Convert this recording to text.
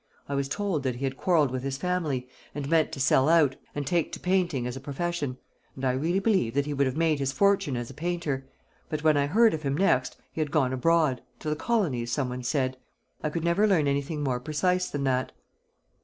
I was told that he had quarrelled with his family, and meant to sell out, and take to painting as a profession, and I really believe that he would have made his fortune as a painter; but when I heard of him next, he had gone abroad to the colonies, some one said. I could never learn anything more precise than that."